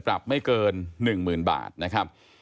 ปรับไม่เกิน๑๐๐๐บาทนะครับ